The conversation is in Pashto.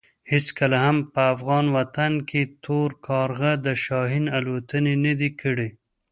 هېڅکله هم په افغان وطن کې تور کارغه د شاهین الوتنې نه دي کړې.